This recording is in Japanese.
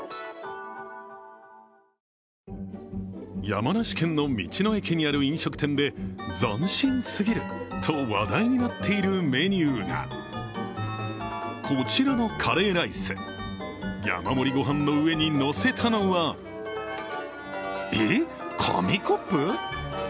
山梨県の道の駅にある飲食店で斬新すぎると話題になっているメニューがこちらのカレーライス山盛りご飯の上にのせたのは、えっ、紙コップ？